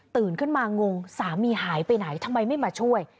ขึ้นมางงสามีหายไปไหนทำไมไม่มาช่วย